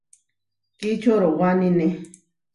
Kičorowánine.